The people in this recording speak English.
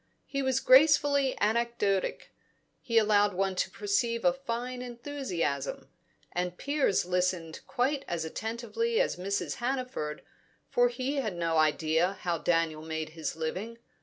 He was gracefully anecdotic; he allowed one to perceive a fine enthusiasm. And Piers listened quite as attentively as Mrs. Hannaford, for he had no idea how Daniel made his living.